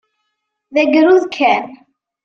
D agrud kan.